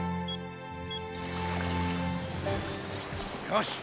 よし！